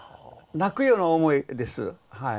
泣くような思いです。